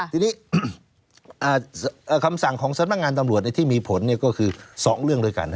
ทีนี้คำสั่งของสำนักงานตำรวจที่มีผลก็คือ๒เรื่องด้วยกัน